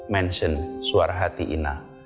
mention suar hati ina